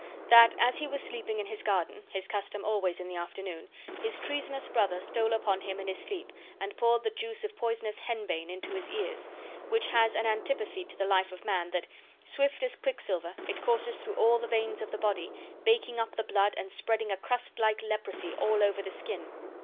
That as he was sleeping in his garden, his custom always in the afternoon, his treasonous brother stole upon him in his sleep and poured the juice of poisonous henbane into his ears, which has such an antipathy to the life of man that, swift as quicksilver, it courses through all the veins of the body, baking up the blood and spreading a crust like leprosy all over the skin.